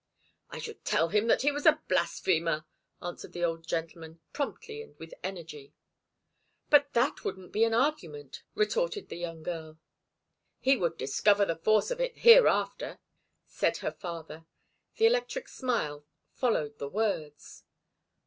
"I should tell him that he was a blasphemer," answered the old gentleman, promptly and with energy. "But that wouldn't be an argument," retorted the young girl. "He would discover the force of it hereafter," said her father. The electric smile followed the words.